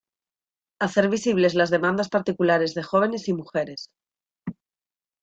Hacer visibles las demandas particulares de jóvenes y mujeres.